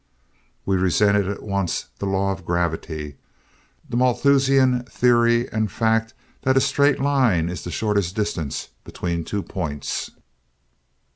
We resented at once the law of gravity, the Malthusian theory and the fact that a straight line is the shortest distance between two points.